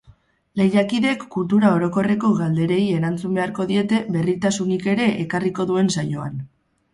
Lehiakideek kultura orokorreko galderei erantzun beharko diete berritasunik ere ekarriko duen saioan.